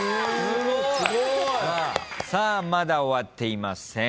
すごい！さあまだ終わっていません。